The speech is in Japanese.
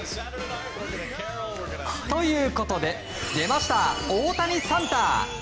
ということで、出ました大谷サンタ。